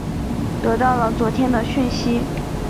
得到了昨天的讯息